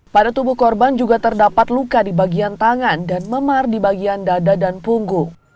pada tubuh korban juga terdapat luka di bagian tangan dan memar di bagian dada dan punggung